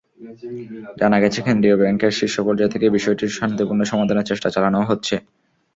জানা গেছে, কেন্দ্রীয় ব্যাংকের শীর্ষ পর্যায় থেকে বিষয়টির শান্তিপূর্ণ সমাধানের চেষ্টা চালানো হচ্ছে।